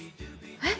えっ？